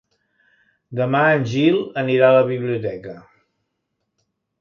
Demà en Gil anirà a la biblioteca.